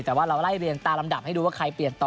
แต่ว่าเราไล่เรียงตามลำดับให้ดูว่าใครเปลี่ยนต่อ